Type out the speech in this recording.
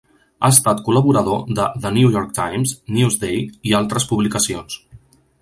Ha estat col·laborador de "The New York Times", "Newsday" i altres publicacions.